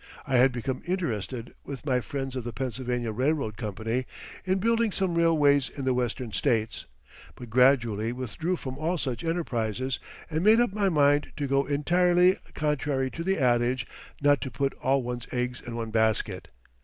I had become interested, with my friends of the Pennsylvania Railroad Company, in building some railways in the Western States, but gradually withdrew from all such enterprises and made up my mind to go entirely contrary to the adage not to put all one's eggs in one basket.